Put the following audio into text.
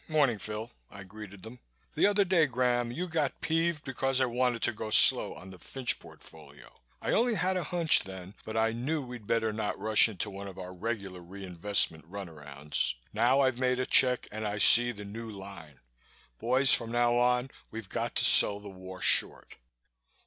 Morning, Phil," I greeted them. "The other day, Graham, you got peeved because I wanted to go slow on the Fynch portfolio. I only had a hunch then but I knew we'd better not rush into one of our regular reinvestment run arounds. Now I've made a check and I see the new line. Boys, from now on, we've got to sell the war short."